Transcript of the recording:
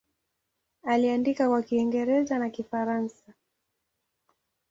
Aliandika kwa Kiingereza na Kifaransa.